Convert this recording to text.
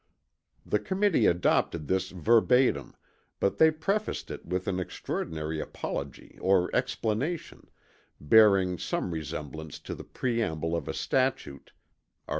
The Committee adopted this verbatim but they prefaced it with an extraordinary apology or explanation, bearing some resemblance to the preamble of a statute (Art.